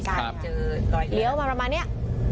ครับเหลียวมาประมาณเนี้ย